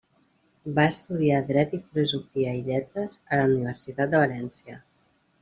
Va estudiar Dret i Filosofia i Lletres a la Universitat de València.